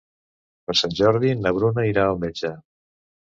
Per Sant Jordi na Bruna irà al metge.